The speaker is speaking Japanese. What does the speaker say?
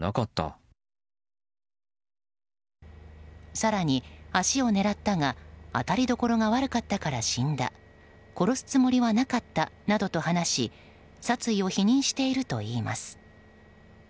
更に、足を狙ったが当たりどころが悪かったから死んだ殺すつもりはなかったなどと話し殺意を否認しているといいます。